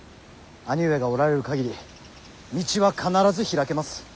兄上がおられる限り道は必ず開けます。